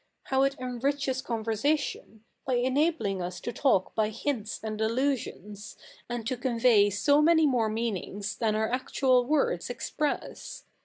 How it enriches conversation, by enabling us to talk by hints and allusions, and to convey so many more mean ings than our actual words express.